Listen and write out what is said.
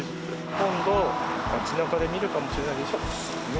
今度、街なかで見るかもしれないでしょ？ね？